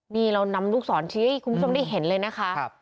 นี่เรานำลูกศรชี้ให้คุณผู้ชมได้เห็นเลยนะคะ